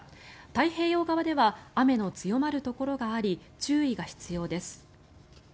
太平洋側では雨の強まるところがあり注意が必要です。